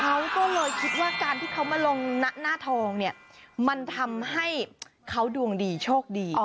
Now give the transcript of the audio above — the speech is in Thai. เขาก็เลยคิดว่าการที่เขามาลงหน้าทองเนี่ยมันทำให้เขาดวงดีโชคดี